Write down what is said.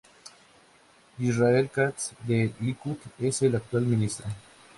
Yisrael Katz, del Likud, es el actual ministro.